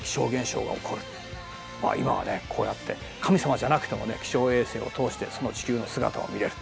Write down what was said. まあ今はねこうやって神様じゃなくても気象衛星を通してその地球の姿を見れる。